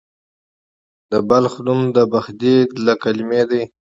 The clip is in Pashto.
د بلخ نوم د بخدي له کلمې دی